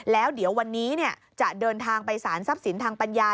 แล้วเดี๋ยววันนี้จะเดินทางไปสารทรัพย์สินทางปัญญา